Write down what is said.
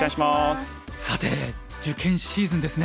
さて受験シーズンですね。